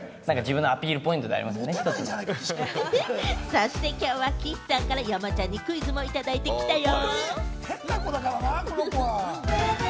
そして、きょうは岸さんから山ちゃんにクイズもいただいてきたよ。